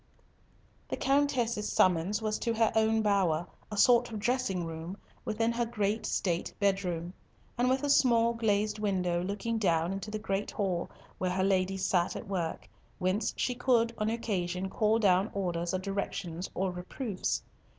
The Countess's summons was to her own bower, a sort of dressing room, within her great state bed room, and with a small glazed window looking down into the great hall where her ladies sat at work, whence she could on occasion call down orders or directions or reproofs.